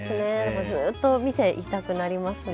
ずっと見ていたくなりますね。